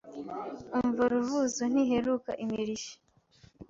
Umva Ruvuzo ntiheruka imirishyo